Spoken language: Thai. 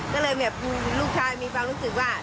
ก็เลยแบบลูกชายมีความรู้สึกว่า